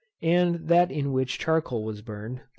and that in which charcoal was burned, p.